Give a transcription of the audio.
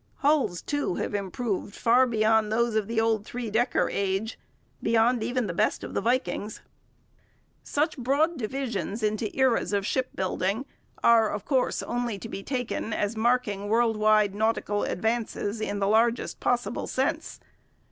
Hulls, too, have improved far beyond those of the old three decker age, beyond even the best of the Vikings'. Such broad divisions into eras of shipbuilding are, of course, only to be taken as marking world wide nautical advances in the largest possible sense.